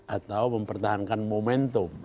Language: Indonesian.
atau mempertahankan momentum